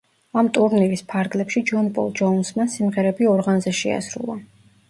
ამ ტურნირის ფარგლებში ჯონ პოლ ჯოუნსმა სიმღერები ორღანზე შეასრულა.